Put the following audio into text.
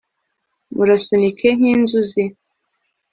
Murasunika nkinzuzi